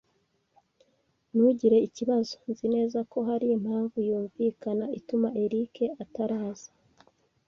Ntugire ikibazo. Nzi neza ko hari impamvu yumvikana ituma eric ataraza.